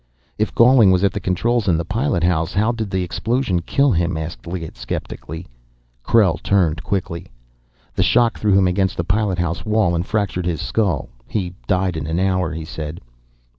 "If Galling was at the controls in the pilot house, how did the explosion kill him?" asked Liggett skeptically. Krell turned quickly. "The shock threw him against the pilot house wall and fractured his skull he died in an hour," he said.